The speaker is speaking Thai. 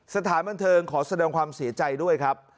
สถานบันเทิงขอแสดงความเสียใจด้วยครับ